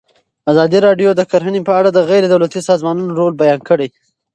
ازادي راډیو د کرهنه په اړه د غیر دولتي سازمانونو رول بیان کړی.